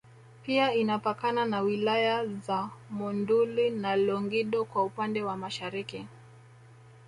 Pia inapakana na wilaya za Monduli na Longido kwa upande wa Mashariki